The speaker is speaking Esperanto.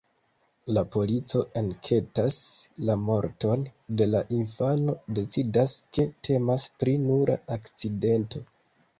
La polico enketas la morton de la infano, decidas, ke temas pri nura akcidento.